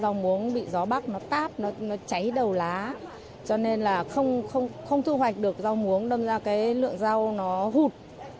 nó bị gió bắp nó táp nó cháy đầu lá cho nên là không thu hoạch được rau muống đâm ra cái lượng rau nó hụt